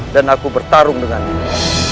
dan aku bertarung dengan dia